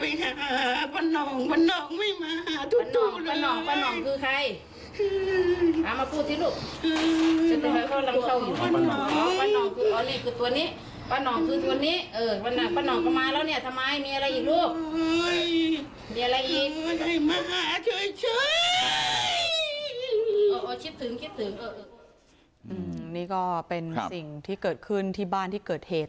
เฮ้ยเดี๋ยวละอีกชิบถึงนี่ก็เป็นสิ่งที่เกิดขึ้นที่บ้านที่เกิดเหตุ